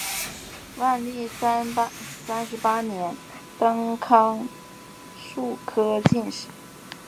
万历三十八年登庚戌科进士。